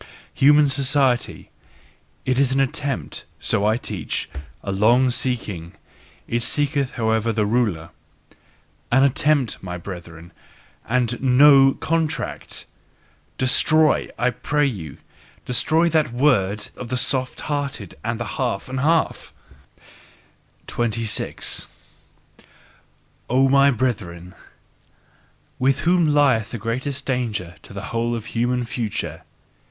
Human society: it is an attempt so I teach a long seeking: it seeketh however the ruler! An attempt, my brethren! And NO "contract"! Destroy, I pray you, destroy that word of the soft hearted and half and half! 26. O my brethren! With whom lieth the greatest danger to the whole human future?